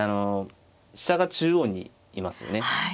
飛車が中央にいますよね。